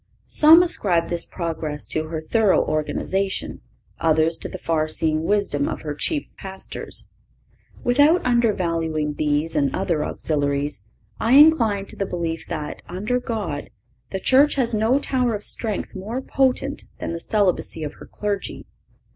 Some ascribe this progress to her thorough organization; others to the far seeing wisdom of her chief pastors. Without undervaluing these and other auxiliaries, I incline to the belief that, under God, the Church has no tower of strength more potent than the celibacy of her clergy.